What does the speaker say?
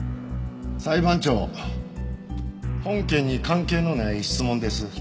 裁判長本件に関係のない質問です。